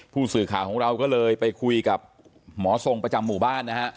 ผู้สื่อข่าวของเราก็เลยไปคุยกับหมอทรงประจำหมู่บ้านนะฮะ